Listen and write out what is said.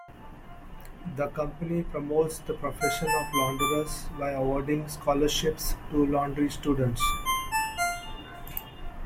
The Company promotes the profession of the launderers by awarding scholarships to laundry students.